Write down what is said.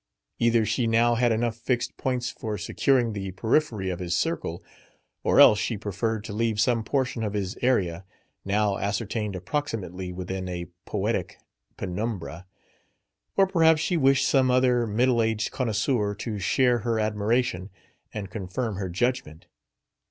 Either she now had enough fixed points for securing the periphery of his circle or else she preferred to leave some portion of his area (now ascertained approximately) within a poetic penumbra. Or perhaps she wished some other middle aged connoisseur to share her admiration and confirm her judgment.